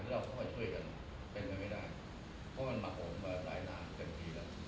เราต้องมาช่วยกันเพราะมันมาของมาหลายปีแล้ว